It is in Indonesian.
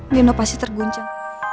nino pasti terguncang